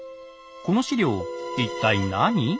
この史料一体何？